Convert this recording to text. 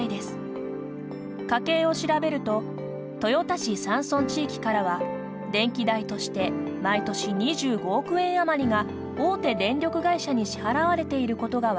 家計を調べると豊田市山村地域からは電気代として毎年２５億円余りが大手電力会社に支払われていることが分かりました。